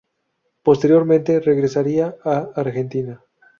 Posteriormente regresaría a Argentina.